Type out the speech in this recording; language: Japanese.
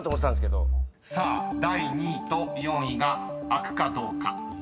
［さあ第２位と４位が開くかどうか］